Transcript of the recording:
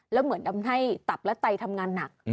แล้วเหมือนทำให้ตับและไตทำงานหนัก